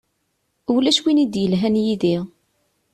Ulac win i d-yelhan yid-i.